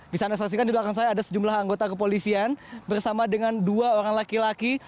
bisa anda saksikan di belakang saya ada sejumlah anggota kepolisian bersama dengan dua orang laki laki